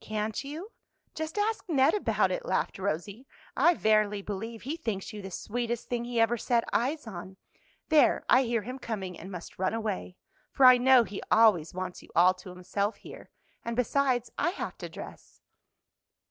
"Can't you? just ask Ned about it," laughed Rosie. "I verily believe he thinks you the sweetest thing he ever set eyes on. There, I hear him coming, and must run away, for I know he always wants you all to himself here; and besides, I have to dress."